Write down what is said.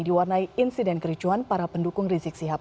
diwarnai insiden kericuan para pendukung rizik sihab